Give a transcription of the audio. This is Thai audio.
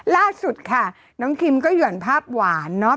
ล่าสุดค่ะน้องคิมก็หย่อนภาพหวานเนาะ